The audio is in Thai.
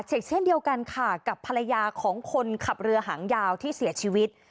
เช่นเดียวกันค่ะกับภรรยาของคนขับเรือหางยาวที่เสียชีวิต